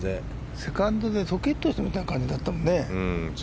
セカンドでポケットしてる感じだったもんね。